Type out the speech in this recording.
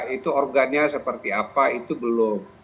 itu organnya seperti apa itu belum